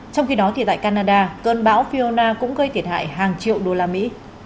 trong khi đó tại canada cơn bão fiona cũng gây thiệt hại hàng triệu đô la mỹ